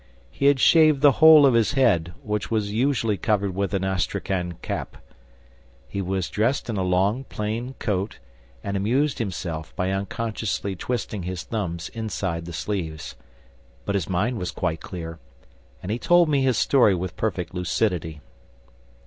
He had shaved the whole of his head, which was usually covered with an astrakhan cap; he was dressed in a long, plain coat and amused himself by unconsciously twisting his thumbs inside the sleeves; but his mind was quite clear, and he told me his story with perfect lucidity.